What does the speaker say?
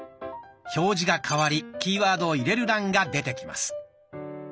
表示が替わりキーワードを入れる欄が出てきます。